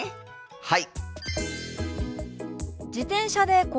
はい！